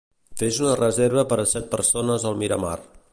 Fes una reserva per a set persones al Miramar.